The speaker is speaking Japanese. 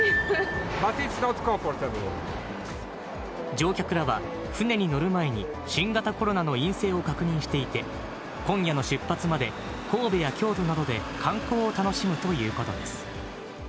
乗客らは、船に乗る前に新型コロナの陰性を確認していて、今夜の出発まで、神戸や京都などで観光を楽しむということです。